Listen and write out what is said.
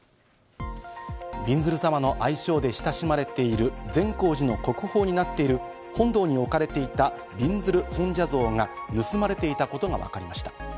びんずる様の愛称で親しまれている善光寺の国宝になっている本堂に置かれていた、びんずる尊者像が盗まれていたことがわかりました。